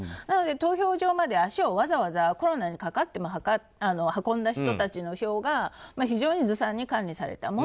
なので投票所まで足をわざわざコロナにかかっていても運んだ人たちの票が非常にずさんに管理された。